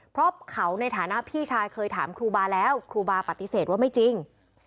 เพราะเขาในฐานะพี่ชายเคยถามครูบาแล้วครูบาปฏิเสธว่าไม่จริง